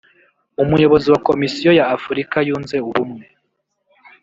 umuyobozi wa komisiyo ya Afurika yunze Ubumwe